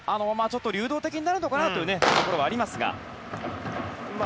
流動的になるのかなというところはありますが。